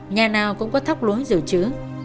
nhà nào cũng có thóc lúa dự trữ